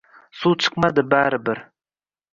Suv chiqmadi bari bir.